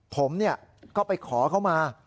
ผมก็ไปขอเข้ามา